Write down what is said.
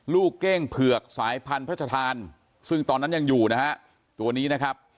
เก้งเผือกสายพันพระชธานซึ่งตอนนั้นยังอยู่นะฮะตัวนี้นะครับ